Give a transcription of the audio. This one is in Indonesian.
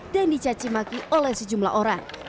dan dicacimaki oleh sejumlah orang